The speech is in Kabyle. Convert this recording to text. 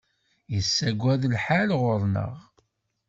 Yessagad lḥal ɣur-neɣ.